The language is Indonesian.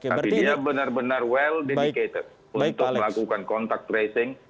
tapi dia benar benar well dedicated untuk melakukan kontak tracing